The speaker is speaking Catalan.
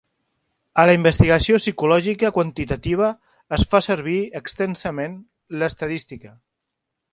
A la investigació psicològica quantitativa es fa servir extensament l'estadística.